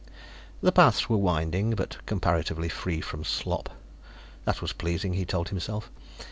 The paths were winding, but comparatively free from slop. That was pleasing, he told himself.